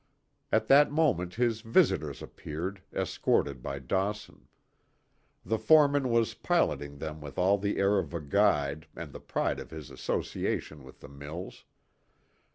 At that moment his visitors appeared, escorted by Dawson. The foreman was piloting them with all the air of a guide and the pride of his association with the mills.